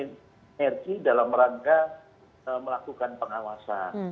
kita berhenti dalam rangka melakukan pengawasan